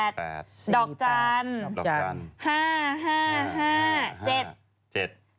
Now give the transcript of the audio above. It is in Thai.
ดอกจันทร์๕๕๕